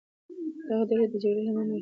دغه ډلې د جګړې لمن وهي.